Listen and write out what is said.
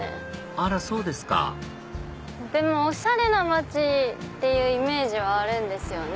あらそうですかでもおしゃれな街っていうイメージはあるんですよね。